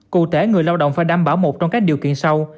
cụ thể người lao động phải đảm bảo một trong các điều kiện sau